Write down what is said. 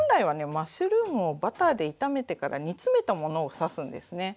マッシュルームをバターで炒めてから煮詰めたものを指すんですね。